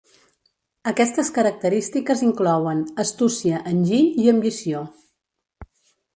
Aquestes característiques inclouen: astúcia, enginy i ambició.